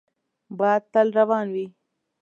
باد تل روان وي